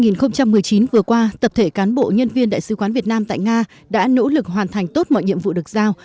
năm hai nghìn một mươi chín vừa qua tập thể cán bộ nhân viên đại sứ quán việt nam tại nga đã nỗ lực hoàn thành tốt mọi nhiệm vụ được giao